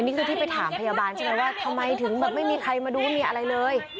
นี่คือที่ไปถามพยาบาลใช่ไหมว่าทำไมถึงแบบไม่มีใครมาดูว่ามีอะไรเลย